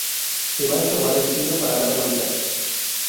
Te va a estorbar el cielo para dar vueltas